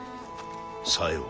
さよう。